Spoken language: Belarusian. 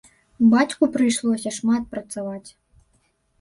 Бацьку прыйшлося шмат працаваць.